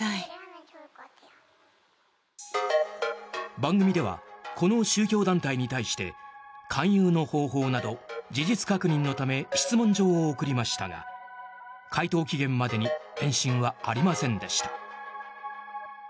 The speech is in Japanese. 番組ではこの宗教団体に対して勧誘の方法など、事実確認のため質問状を送りましたが回答期限までに返信はありませんでした。